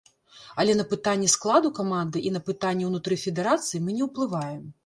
Але на пытанні складу каманды і на пытанні ўнутры федэрацый мы не ўплываем.